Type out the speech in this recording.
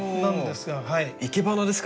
生け花ですか？